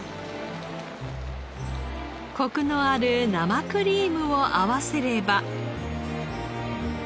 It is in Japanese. コクのある生クリームを合わせれば。